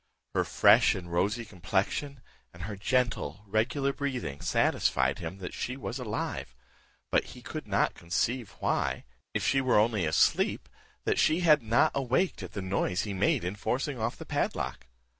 Her fresh and rosy complexion, and her gentle regular breathing, satisfied him she was alive, but he could not conceive why, if she were only asleep, she had not awaked at the noise he made in forcing off the padlock.